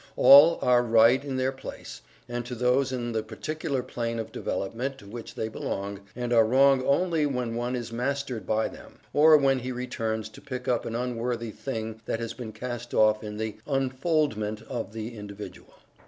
All are right in their place, and to those in the particular plane of development to which they belong, and are wrong only when one is mastered by them, or when he returns to pick up an unworthy thing that has been cast off in the unfoldment of the individual.